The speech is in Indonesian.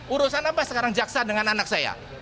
urusan apa sekarang jaksa dengan anak saya